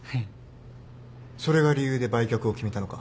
それが理由で売却を決めたのか？